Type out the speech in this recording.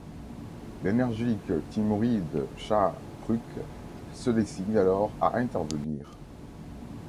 L'énergique Timouride shah Rukh se décide alors à intervenir.